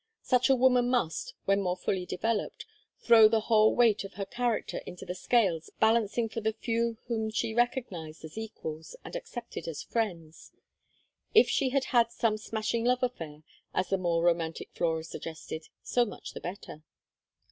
Such a woman must, when more fully developed, throw the whole weight of her character into the scales balancing for the few whom she recognized as equals and accepted as friends. If she had had "some smashing love affair," as the more romantic Flora suggested, so much the better.